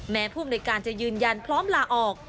แม้ผู้มนุยการจะยืนยันพร้อมลาออก